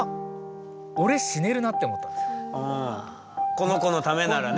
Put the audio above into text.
この子のためならね。